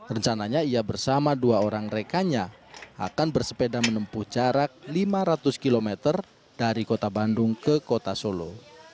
rencananya ia bersama dua orang rekannya akan bersepeda menempuh jarak lima ratus km dari kota bandung ke kota solo